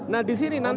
nah disini nanti